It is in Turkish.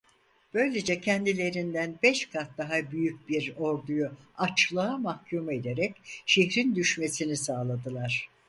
Böylece kendilerinden beş kat daha büyük bir orduyu açlığa mahkum ederek şehrin düşmesini sağladılar.